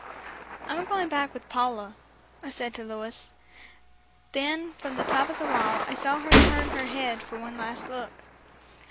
"I'm going back with Paula," I said to Louis. Then from the top of the wall, I saw her turn her head for one last look.